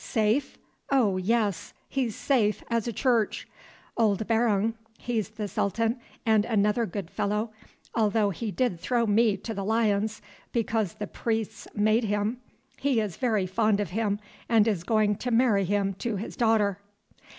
Safe? Oh! yes, he's safe as a church! Old Barung, he's the Sultan, and another good fellow, although he did throw me to the lions—because the priests made him—is very fond of him, and is going to marry him to his daughter."